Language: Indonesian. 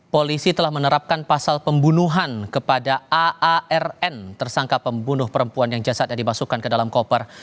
polisi telah menerapkan pasal pembunuhan kepada aarn tersangka pembunuh perempuan yang jasadnya dimasukkan ke dalam koper